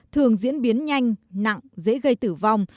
thường diễn biến nhanh nặng dễ gây tử vong